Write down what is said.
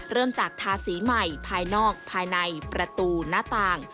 เริ่มจากทาสีใหม่ภายนอกภายในประตูหน้าต่าง